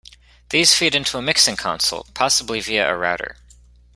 These feed into a mixing console, possibly via a router.